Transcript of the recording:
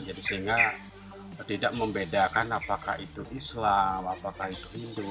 jadi sehingga tidak membedakan apakah itu islam apakah itu hindu